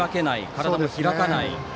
体を開かない。